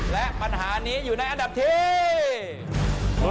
และปัญหานี้อยู่ในอันดับที่